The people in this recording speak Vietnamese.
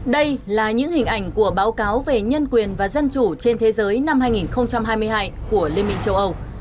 đây là những hình ảnh của báo cáo về nhân quyền và dân chủ trên thế giới năm hai nghìn hai mươi hai của liên minh châu âu